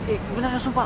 eh beneran sumpah